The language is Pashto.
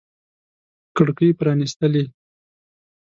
کړکۍ پرانیستلي